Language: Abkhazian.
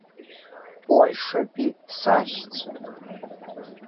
Польшатәи сашьцәа…